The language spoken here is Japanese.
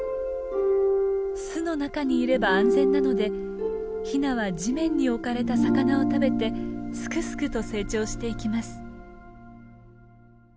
巣の中にいれば安全なのでヒナは地面に置かれた魚を食べてすくすくと成長していきます。